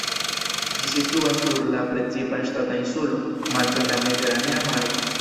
Ĝi situas sur la la precipa ŝtata insulo Malto en la Mediteranea Maro.